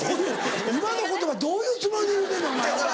今の言葉どういうつもりで言うてんねんお前は。